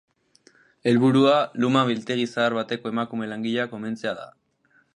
Helburua luma biltegi zahar bateko emakume langileak omentzea da.